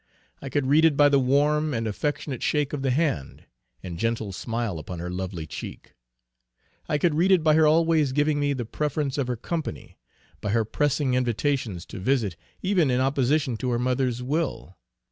I could read it by the warm and affectionate shake of the hand, and gentle smile upon her lovely cheek. I could read it by her always giving me the preference of her company; by her pressing invitations to visit even in opposition to her mother's will.